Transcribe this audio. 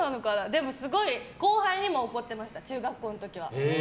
でも、すごい後輩にも怒ってました中学校の時は。